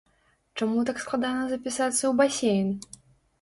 Чаму так складана запісацца ў басейн?